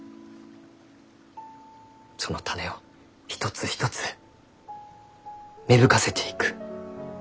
その種を一つ一つ芽吹かせていく。